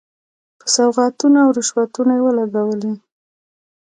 په سوغاتونو او رشوتونو ولګولې.